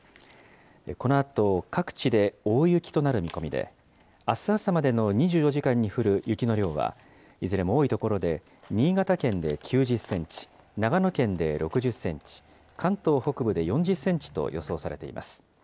このあと各地で大雪となる見込みで、あす朝までの２４時間に降る雪の量は、いずれも多い所で新潟県で９０センチ、長野県で６０センチ、関東北部で４０センチと予想されています。